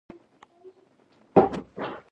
نړۍ ټيکنالوجۍ ته مخه کړه.